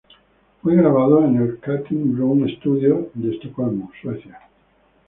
Fue grabado en el Cutting Room Studios de Estocolmo, Suecia.